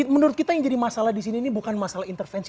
menurut kita yang jadi masalah di sini ini bukan masalah intervensi